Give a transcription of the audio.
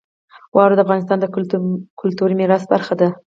واوره د افغانستان د کلتوري میراث برخه ده.